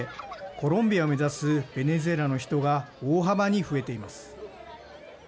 コロンビアを目指すベネズエラの人が大幅に増えています。